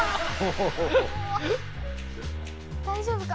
大丈夫か？